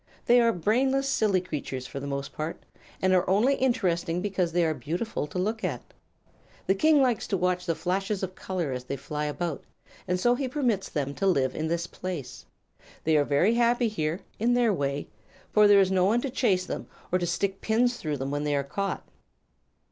They are brainless, silly creatures, for the most part, and are only interesting because they are beautiful to look at. The King likes to watch the flashes of color as they fly about, and so he permits them to live in this place. They are very happy here, in their way, for there is no one to chase them or to stick pins through them when they are caught."